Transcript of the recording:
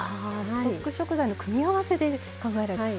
ストック食材の組み合わせで考えられてる。